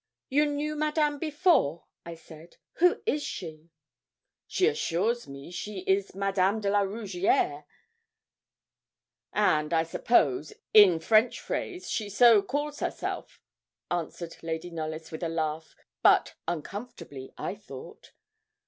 'You knew Madame before,' I said. 'Who is she?' 'She assures me she is Madame de la Rougierre, and, I suppose, in French phrase she so calls herself,' answered Lady Knollys, with a laugh, but uncomfortably, I thought.